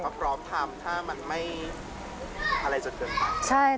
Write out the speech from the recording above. ก็พร้อมทำถ้ามันไม่อะไรจนเกินไป